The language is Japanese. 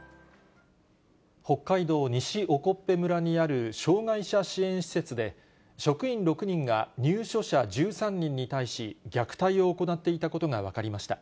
北海道西興部村にある障がい者支援施設で、職員６人が入所者１３人に対し、虐待を行っていたことが分かりました。